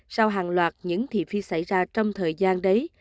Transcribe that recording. sau hàng loạt những thiệt phi xảy ra trong thời gian đấy